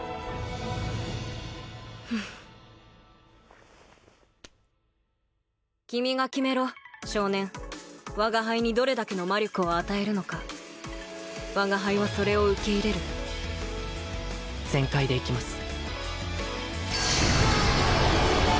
ふう君が決めろ少年我が輩にどれだけの魔力を与えるのか我が輩はそれを受け入れる全開でいきます